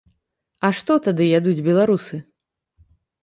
А што тады ядуць беларусы?